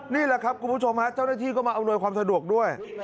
นี่แหละครับคุณผู้ชมฮะเจ้าหน้าที่ก็มาอำนวยความสะดวกด้วย